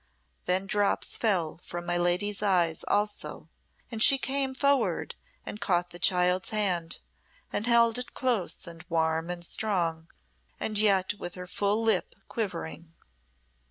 Then drops fell from my lady's eyes also, and she came forward and caught the child's hand, and held it close and warm and strong, and yet with her full lip quivering.